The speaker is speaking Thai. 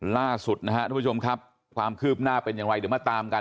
ล่าสุดนะครับทุกผู้ชมครับความคืบหน้าเป็นอย่างไรเดี๋ยวมาตามกัน